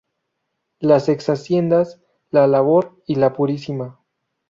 Las ex-haciendas "La Labor" y "La Purísima".